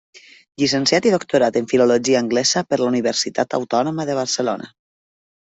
Llicenciat i Doctorat en Filologia Anglesa per la Universitat Autònoma de Barcelona.